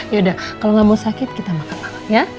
yaudah kalau gak mau sakit kita makan banget ya